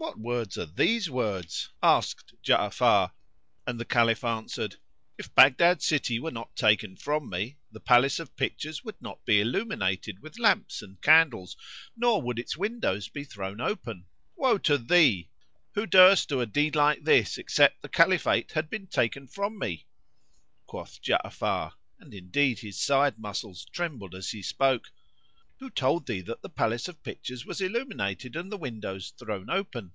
"What words are these words?" asked Ja'afar; and the Caliph answered, "If Baghdad city were not taken from me, the Palace of Pictures would not be illuminated with lamps and candles, nor would its windows be thrown open. Woe to thee! who durst do a deed like this except the Caliphate had been taken from me?" Quoth Ja'afar (and indeed his side muscles trembled as he spoke), "Who told thee that the Palace of Pictures was illuminated and the windows thrown open?"